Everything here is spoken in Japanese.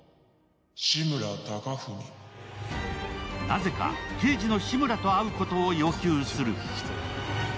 なぜか刑事の志村と会うことを要求する。